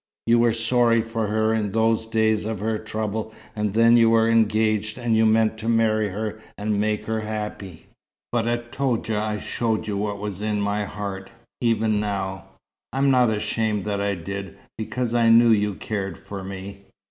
You were sorry for her in those days of her trouble, and then you were engaged, and you meant to marry her and make her happy. But at Toudja I showed you what was in my heart even now I'm not ashamed that I did, because I knew you cared for me."